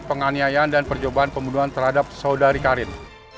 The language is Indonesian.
penganiayaan dan percobaan pembunuhan terhadap saudari karir